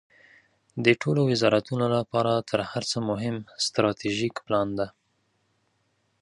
د ټولو وزارتونو لپاره تر هر څه مهم استراتیژیک پلان ده.